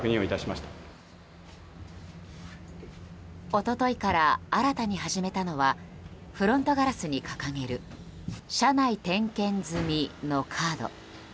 一昨日から新たに始めたのはフロントガラスに掲げる車内点検済みのカード。